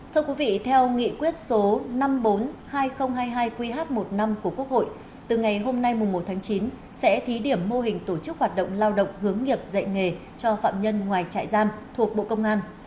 thưa quý vị theo nghị quyết số năm trăm bốn mươi hai nghìn hai mươi hai qh một mươi năm của quốc hội từ ngày hôm nay một tháng chín sẽ thí điểm mô hình tổ chức hoạt động lao động hướng nghiệp dạy nghề cho phạm nhân ngoài trại giam thuộc bộ công an